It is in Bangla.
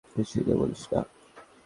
কিছুই তো বলিস না।